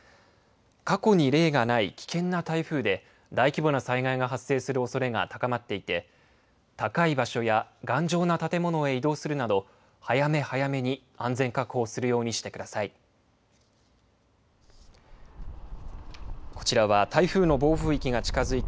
過去に例がない危険な台風で大規模な災害が発生するおそれが高まっていて高い場所や頑丈な建物へ移動するなど早め早めに安全確保をするようにしてください。